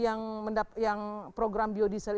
yang program biodiesel